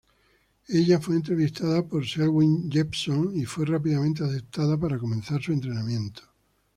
Ella fue entrevistada por Selwyn Jepson y fue rápidamente aceptada para comenzar su entrenamiento.